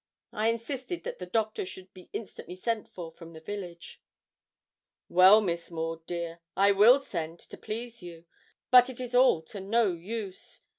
I insisted that the doctor should be instantly sent for from the village. 'Well, Miss Maud, dear, I will send to please you, but it is all to no use.